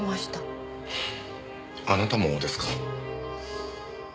あなたもですか。